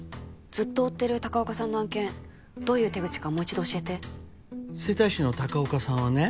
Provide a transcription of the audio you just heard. ずっと追ってる高岡さんの案件どういう手口かもう一度教えて整体師の高岡さんはね